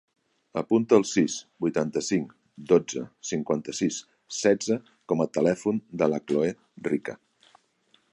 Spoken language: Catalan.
Apunta el sis, vuitanta-cinc, dotze, cinquanta-sis, setze com a telèfon de la Chloé Rica.